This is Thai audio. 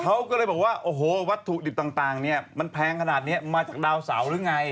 เขาก็เลยบอกว่าโอ้โหวัตถุดิบต่างเนี่ยมันแพงขนาดนี้มาจากดาวเสาหรือไง